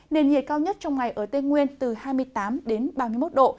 nền nhiệt cao nhất trong ngày ở tây nguyên từ hai mươi tám đến ba mươi một độ